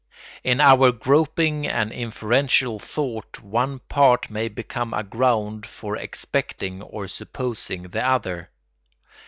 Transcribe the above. In our groping and inferential thought one part may become a ground for expecting or supposing the other.